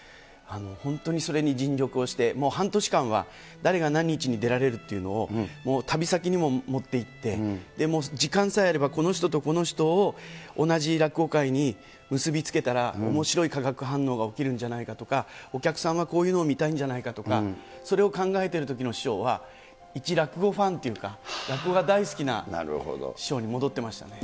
本当にそれに尽力をして、もう半年間は、誰が何日に出られるっていうのを、旅先にも持っていって、時間さえあれば、この人とこの人を同じ落語会に結び付けたらおもしろい化学反応が起きるんじゃないかとか、お客さんはそれを考えてるときの師匠は、一落語ファンっていうか、落語が大好きな師匠に戻ってましたね。